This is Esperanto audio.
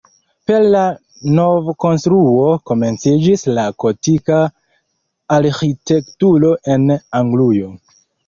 Per la novkonstruo komenciĝis la gotika arĥitekturo en Anglujo.